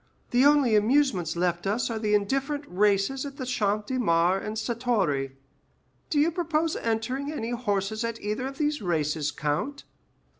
The only amusements left us are the indifferent races at the Champ de Mars and Satory. Do you propose entering any horses at either of these races, count?"